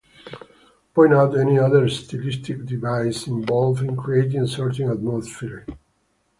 Point out any other stylistic devices involved in creating certain atmosphere.